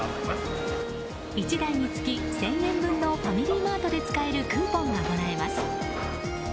１台につき１０００円分のファミリーマートで使えるクーポンがもらえます。